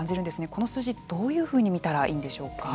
この数字どういうふうに見たらいいんでしょうか？